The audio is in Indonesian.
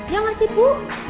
ya gak sih bu